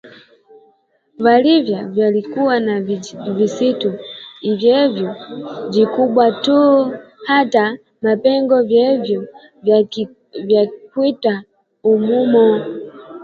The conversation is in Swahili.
Valya valikuwa na jisitu, lyevu jikubwa too, hata mapengo yevu yakikweta umomo